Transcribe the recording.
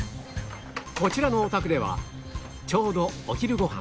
こちらのお宅ではちょうどお昼ご飯